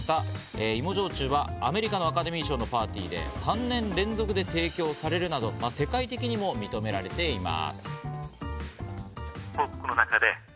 宮崎牛と都城市で製造された芋焼酎はアメリカのアカデミー賞のパーティーで３年連続で提供されるなど、世界的にも認められています。